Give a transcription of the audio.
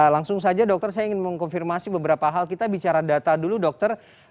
langsung saja dokter saya ingin mengkonfirmasi beberapa hal kita bicara data dulu dokter